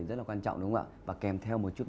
rất là quan trọng đúng không ạ và kèm theo một chút